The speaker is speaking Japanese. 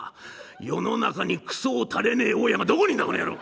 世の中にくそをたれねえ大家がどこにいるんだこの野郎。